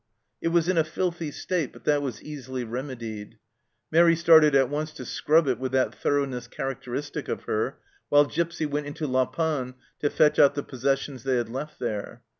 It was in a filthy state, but that was easily remedied. Mairi started at once to scrub it with that thorough ness characteristic of her, while Gipsy went into La Panne to fetch out the possessions they had left there.